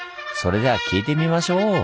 それでは聞いてみましょう！